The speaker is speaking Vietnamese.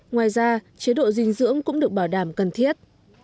ngoài ra chế độ dinh dưỡng cũng được bảo đảm cần thiết